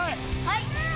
はい！